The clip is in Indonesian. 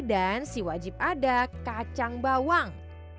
dan si wajib ada kacang bawang